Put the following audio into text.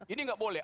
ini nggak boleh